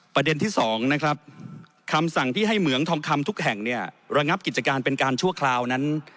ประเด็นที่๒นะครับคำสั่งที่ให้เหมืองทองคำทุกแห่งเนี่ยระงับกิจการเป็นการชั่วคราวนั้น